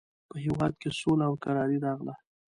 په هېواد کې سوله او کراري راغله.